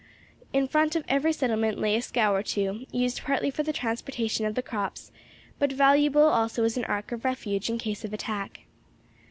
In front of every settlement lay a scow or two, used partly for the transportation of the crops, but valuable also as an ark of refuge in case of attack.